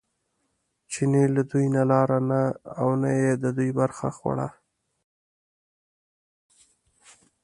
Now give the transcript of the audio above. چیني له دوی نه لاره نه او نه یې د دوی برخه خوړه.